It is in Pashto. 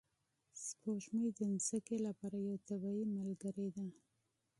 سپوږمۍ د ځمکې لپاره یوه طبیعي ملګرې ده